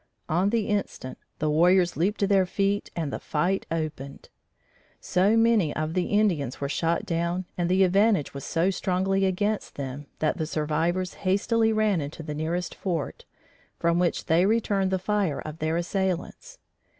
On the instant, the warriors leaped to their feet and the fight opened. So many of the Indians were shot down and the advantage was so strongly against them, that the survivors hastily ran into the nearest fort, from which they returned the fire of their assailants.